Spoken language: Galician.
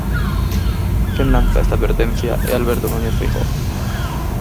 Quen lanza esta advertencia é Alberto Núñez Feijóo.